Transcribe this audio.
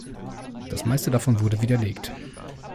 Das meiste davon wurde widerlegt.